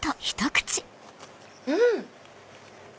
うん！